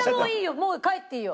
もう帰っていいよ。